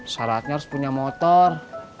saratnya harus punya motor